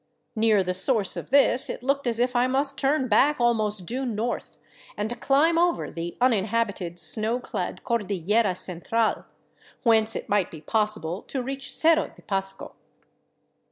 Near the source of this it looked as if I must turn back almost due north and climb over the uninhabited, snowclad Cor dillera Central, whence it might be possible to reach Cerro de Pasco.